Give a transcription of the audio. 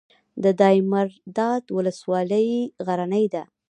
د دایمیرداد ولسوالۍ غرنۍ ده